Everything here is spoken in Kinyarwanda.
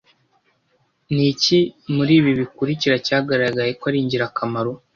Niki muri ibi bikurikira cyagaragaye ko ari ingirakamaro